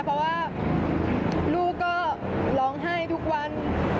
เพราะว่าลูกก็ร้องไห้ทุกวัน